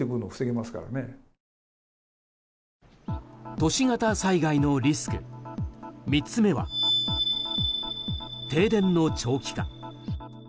都市型災害のリスク３つ目は停電の長期化。